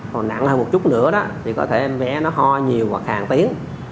còn nặng hơn một chút nữa thì có thể em bé nó ho nhiều hoặc hàng tiếng